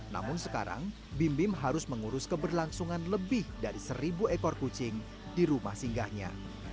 namun sekarang bim bim harus mengurus keberlangsungan lebih dari seribu ekor kucing di rumah singgahnya